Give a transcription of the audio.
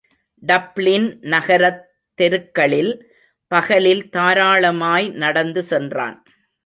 Dublin நகரத் தெருக்களில் பகலில் தாராளமாய் நடந்து சென்றான்.